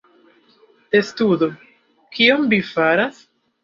Testudo: "Kion vi faras?"